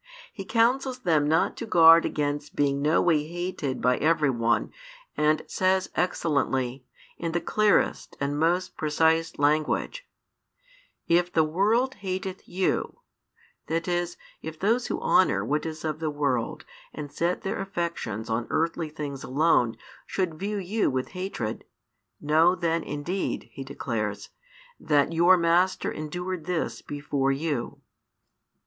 He counsels them not to guard against being noway hated by every one, and says excellently, in the clearest and most precise language, If the world hateth you, that is, if those who honour what is of the world and set their affections on earthly things alone should view you with hatred, know then indeed, He declares, that your Master endured this before you.